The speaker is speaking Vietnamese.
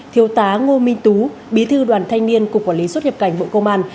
thiếu tá ngô minh tú bí thư đoàn thanh niên cục quản lý xuất nhập cảnh bộ công an